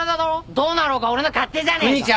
どうなろうが俺の勝手じゃねえか！